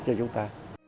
cho chúng ta